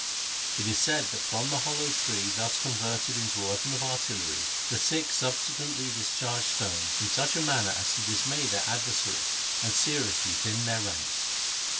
It is said that from the hollow tree thus converted into a weapon of artillery the Sikhs subsequently discharged stones in such a manner as to dismay their adversaries and seriously thin their ranks.